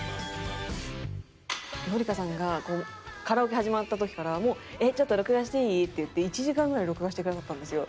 紀香さんがカラオケ始まった時から「ちょっと録画していい？」って言って１時間ぐらい録画してくださったんですよ。